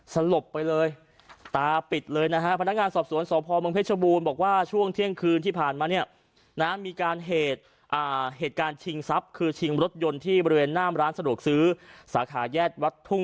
สลบไปเลยตาปิดเลยนะฮะพนักงานสอบสวนสอบพอร์มเมืองเพชรชะบูนบอกว่า